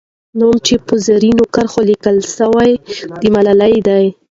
نوم چې په زرینو کرښو لیکل سوی، د ملالۍ دی.